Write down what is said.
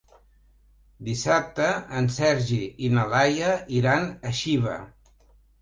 Dissabte en Sergi i na Laia iran a Xiva.